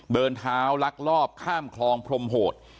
เดินเท้าลักลอบข้ามคลองพรมโหด